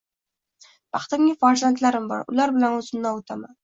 Baxtimga farzandlarim bor ular bilan oʻzimni oʻzim ovutaman...